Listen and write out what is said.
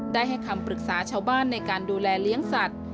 ได้ให้คำปรึกษาชาวบ้านในการดูแลเลี้ยงสัตว์